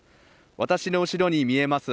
私の後ろに見えます